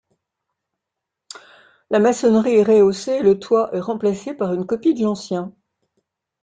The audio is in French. La maçonnerie est rehaussée et le toit est remplacé par une copie de l'ancien.